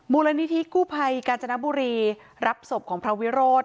มูลนิธิกู้ภัยกาญจนบุรีรับศพของพระวิโรธ